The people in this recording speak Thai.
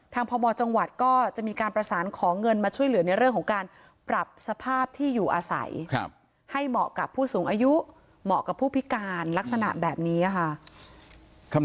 พมจังหวัดก็จะมีการประสานขอเงินมาช่วยเหลือในเรื่องของการปรับสภาพที่อยู่อาศัยให้เหมาะกับผู้สูงอายุเหมาะกับผู้พิการลักษณะแบบนี้ค่ะ